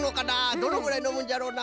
どのぐらいのむんじゃろうな？